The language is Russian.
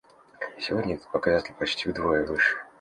Сегодня этот показатель почти вдвое выше.